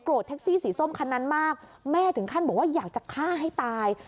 แท็กซี่สีส้มคันนั้นมากแม่ถึงขั้นบอกว่าอยากจะฆ่าให้ตาย